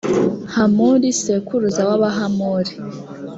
hamuli sekuruza w’abahamuli.